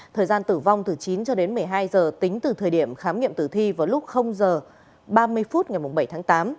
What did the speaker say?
thời gian tử vong từ chín cho đến một mươi hai giờ tính từ thời điểm khám nghiệm tử thi vào lúc h ba mươi phút ngày bảy tháng tám